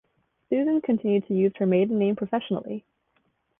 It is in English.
Susan continued to use her maiden name professionally.